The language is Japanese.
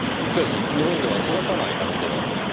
しかし日本では育たないはずでは？